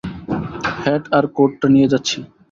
Hat আর coat টা নিয়ে যাচ্ছি।